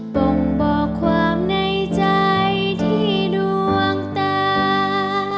บ่งบอกความในใจที่ดวงตา